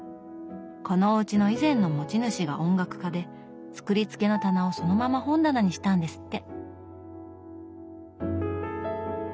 このおうちの以前の持ち主が音楽家で作りつけの棚をそのまま本棚にしたんですって。